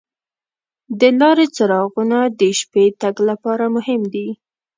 د لارې څراغونه د شپې تګ لپاره مهم دي.